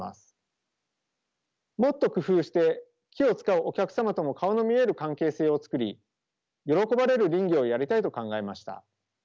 もっと工夫して木を使うお客様とも顔の見える関係性を作り喜ばれる林業をやりたいと考えました。